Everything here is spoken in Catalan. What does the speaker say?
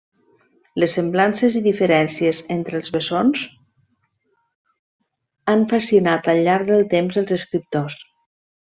Les semblances i diferències entre els bessons han fascinat al llarg del temps els escriptors.